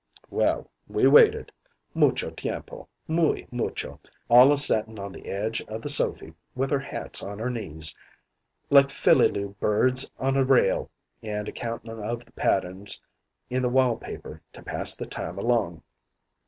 "Well, we waited moucho tiempo muy moucho, all a settin' on the edge of the sofy, with our hats on our knees, like philly loo birds on a rail, and a countin' of the patterns in the wall paper to pass the time along.